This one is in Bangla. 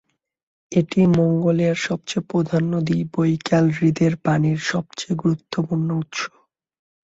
এটি মঙ্গোলিয়ার সবচেয়ে প্রধান নদী বৈকাল হ্রদের পানির সবচেয়ে গুরুত্বপূর্ণ উৎস।